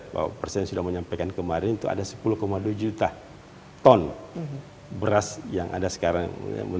bapak presiden sudah menyampaikan kemarin itu ada sepuluh dua juta ton beras yang ada sekarang